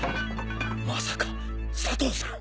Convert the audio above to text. まさか佐藤さん⁉